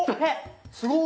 すごい！